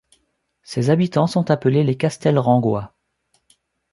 Ses habitants sont appelés les Castelrengois.